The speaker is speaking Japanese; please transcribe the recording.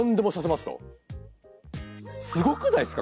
すごくないっすか？